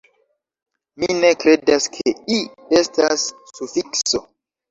Mi ne kredas, ke -i- estas sufikso.